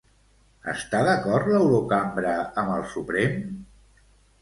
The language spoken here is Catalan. Està d'acord l'Eurocambra amb el Suprem?